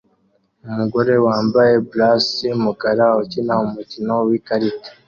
Umugore wambaye blus yumukara ukina umukino wikarita